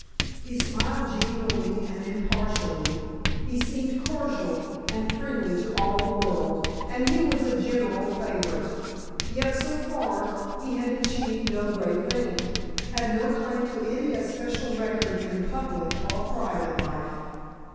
He smiled genially and impartially; he seemed cordial and friendly to all the world, and he was a general favorite. Yet so far he had achieved no great thing, had no claim to any especial record in public or private life.